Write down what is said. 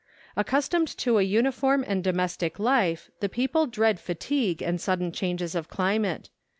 Accus¬ tomed to a uniform and domestic life, the people dread fatigue and sudden changes of climate.